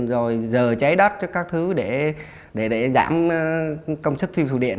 rồi giờ cháy đất các thứ để giảm công sức thiêu thủ điện